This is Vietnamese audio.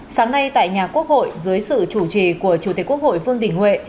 sáng nay tại nhà quốc hội dưới sự chủ trì của chủ tịch quốc hội vương đình huệ